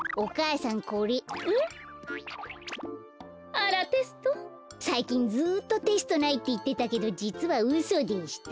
さいきんずっとテストないっていってたけどじつはうそでした。